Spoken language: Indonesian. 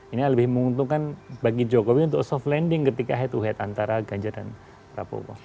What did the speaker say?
ini lebih menguntungkan bagi jokowi untuk soft landing ketika head to head antara ganjar dan prabowo